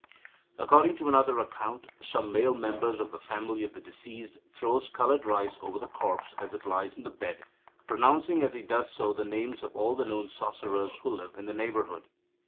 According to another account, "some male member of the family of the deceased throws coloured rice over the corpse as it lies on the bed, pronouncing as he does so the names of all the known sorcerers who live in the neighbourhood.